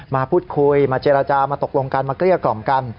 มาพูดคุยมาเจรจามาตกลงกันมาเกลี้ยกล่อมกัน